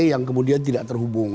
yang kemudian tidak terhubung